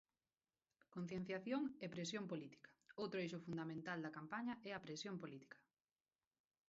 Concienciación e presión política Outro eixo fundamental da campaña é a presión política.